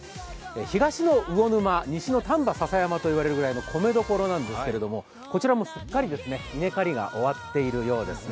東の魚沼、西の丹波篠山といわれるぐらいの米どころなんですがこちらもすっかり稲刈りが終わっているようですね。